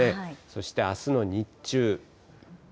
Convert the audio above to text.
そしてあすの日中。